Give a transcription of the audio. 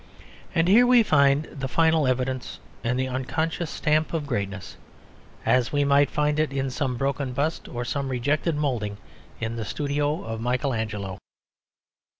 And here we find the final evidence and the unconscious stamp of greatness, as we might find it in some broken bust or some rejected moulding in the studio of Michael Angelo.